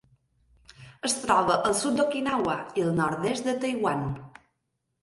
Es troba al sud d'Okinawa i nord-est de Taiwan.